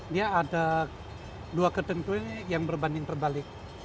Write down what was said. dia ada dua ketentuan yang berbanding terbalik